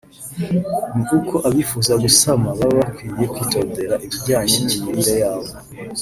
ni uko abifuza gusama baba bakwiye kwitondera ibijyanye n’imirire yabo